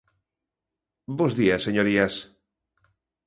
Bos días señorías.